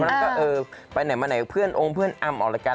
เพราะฉะนั้นก็ไปไหนมาไหนเพื่อนโอ้งเพื่อนอำออกละกัน